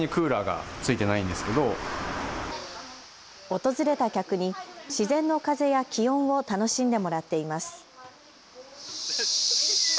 訪れた客に自然の風や気温を楽しんでもらっています。